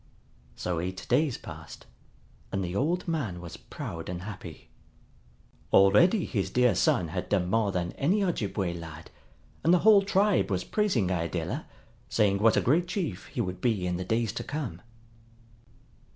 So eight days passed, and the old man was proud and happy. Already his dear son had done more than any Ojibway lad, and the whole tribe was praising Iadilla, saying what a great chief he would be in the days to come.